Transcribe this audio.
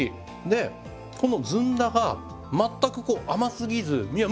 でこのずんだが全くこう甘すぎずいや